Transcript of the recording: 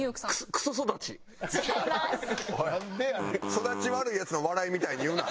育ち悪いヤツの笑いみたいに言うな。